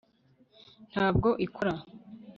ntabwo ikora